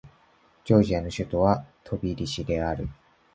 ジョージアの首都はトビリシである